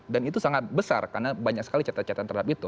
dan itu sangat besar karena banyak sekali catatan terhadap itu